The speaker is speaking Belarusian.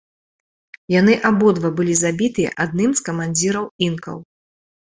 Яны абодва былі забітыя адным з камандзіраў інкаў.